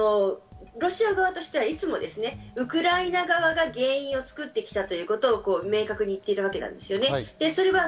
ロシア側としてはいつもウクライナ側が原因を作ってきたということを明確に言ってきたわけなんですね。